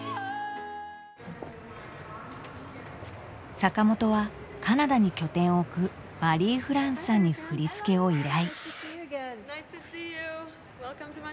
坂本はカナダに拠点を置くマリー＝フランスさんに振り付けを依頼。